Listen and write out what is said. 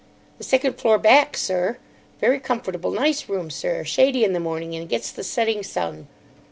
"The second floor back, sir. Very comfortable, nice room, sir. Shady in the morning, and gets the setting sun."